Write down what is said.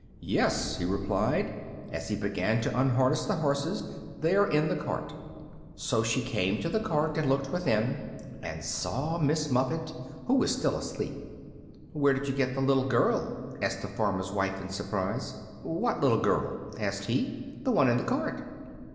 "Yes," he replied, as he began to unharness the horses; "they are in the cart." So she came to the cart and looked within, and saw Miss Muffet, who was still asleep. "Where did you get the little girl?" asked the farmer's wife, in surprise. "What little girl?" asked he. "The one in the cart."